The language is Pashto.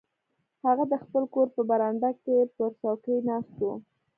هغه د خپل کور په برنډه کې پر څوکۍ ناست و.